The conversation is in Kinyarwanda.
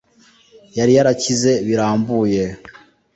yari yarakize birambuye,